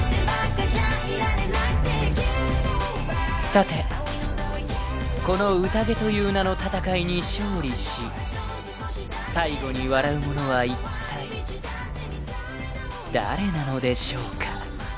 ［さてこの宴という名の戦いに勝利し最後に笑う者はいったい誰なのでしょうか］